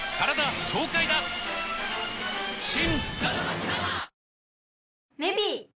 新！